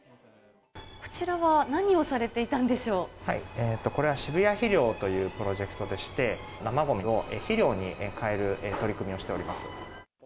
こちらは何をされていたんでこれは、渋谷肥料というプロジェクトでして、生ごみを肥料に変える取り組みをしております。